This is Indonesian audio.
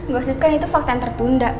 gosip kan itu fakta yang tertunda